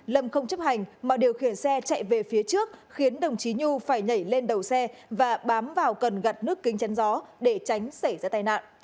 lâm không chấp hành mà điều khiển xe chạy về phía trước khiến đồng chí nhu phải nhảy lên đầu xe và bám vào cần gạt nước kính chắn gió để tránh xảy ra tai nạn